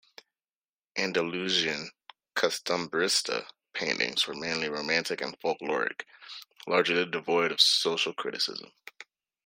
Andalusian "costumbrista" paintings were mainly romantic and folkloric, largely devoid of social criticism.